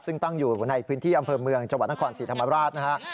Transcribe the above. ซึ่งตั้งอยู่ในพื้นที่อำเภอเมืองจนศีรภรราชนะครับ